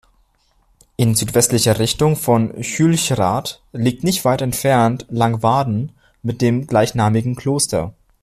In südwestlicher Richtung von Hülchrath liegt nicht weit entfernt Langwaden mit dem gleichnamigen Kloster.